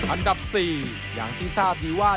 อันดับ๔อย่างที่ทราบดีว่า